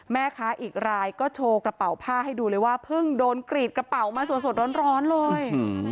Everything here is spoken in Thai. แม่ค้าอีกรายก็โชว์กระเป๋าผ้าให้ดูเลยว่าเพิ่งโดนกรีดกระเป๋ามาสดร้อนเลย